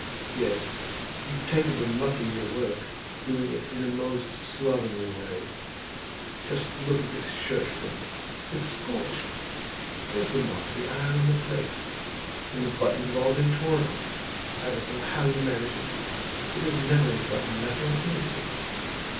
Yes, you've taken to mucking your work—doing it in a most slovenly way. Just look at this shirt front, it's scorched, there's the mark of the iron on the plaits; and the buttons have all been torn off. I don't know how you manage it, but there's never a button left on anything.